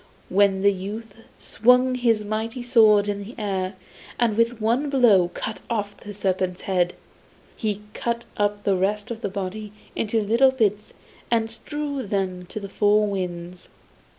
Then the youth swung his mighty sword in the air, and with one blow cut off the serpent's head. He cut up the rest of the body into little bits and strewed them to the four winds.